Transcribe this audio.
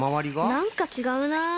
なんかちがうな。